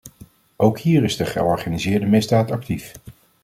Ook hier is de georganiseerde misdaad actief.